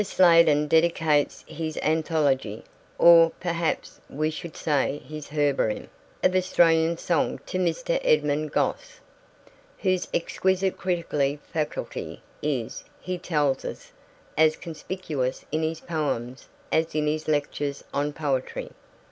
Sladen dedicates his anthology (or, perhaps, we should say his herbarium) of Australian song to Mr. Edmund Gosse, 'whose exquisite critical faculty is,' he tells us, 'as conspicuous in his poems as in his lectures on poetry.'